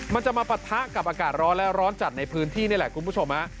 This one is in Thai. มันจะมาปะทะกับอากาศร้อนและร้อนจัดในพื้นที่นี่แหละคุณผู้ชมฮะ